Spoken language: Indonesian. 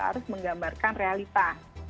harus menggambarkan realita